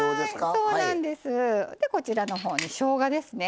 こちらのほうにしょうがですね